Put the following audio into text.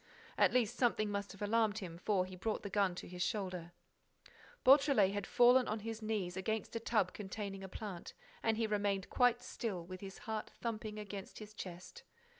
At least, something must have alarmed him, for he brought the gun to his shoulder. Beautrelet had fallen on his knees, against a tub containing a plant, and he remained quite still, with his heart thumping against his chest.